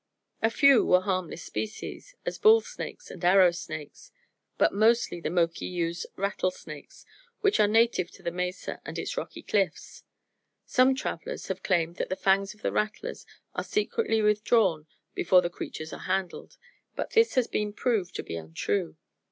A few were harmless species, as bull snakes and arrow snakes; but mostly the Moki used rattlesnakes, which are native to the mesa and its rocky cliffs. Some travelers have claimed that the fangs of the rattlers are secretly withdrawn before the creatures are handled, but this has been proved to be untrue.